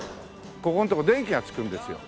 ここんとこ電気がつくんですよ。